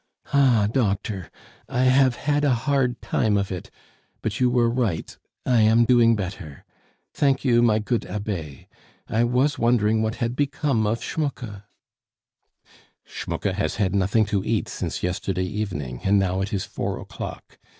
"Ah, doctor, I have had a hard time of it; but you were right, I am doing better. Thank you, my good Abbe; I was wondering what had become of Schmucke " "Schmucke has had nothing to eat since yesterday evening, and now it is four o'clock!